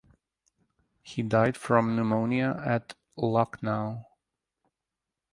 He died from pneumonia at Lucknow.